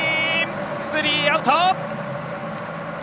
スリーアウト！